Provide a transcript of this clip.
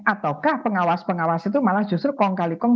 ataukah pengawas pengawas itu malah justru kong kali kong